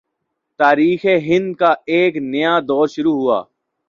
تاریخ ہند کا ایک نیا دور شروع ہوا